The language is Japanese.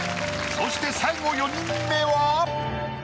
そして最後４人目は。